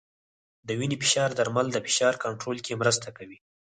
د وینې فشار درمل د فشار کنټرول کې مرسته کوي.